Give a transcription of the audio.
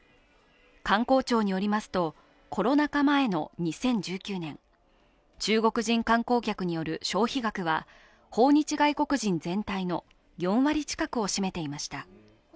観光庁によりますと、コロナ禍前の２０１９年、中国人観光客による消費額は訪日外国人全体の４割近くを占めていました。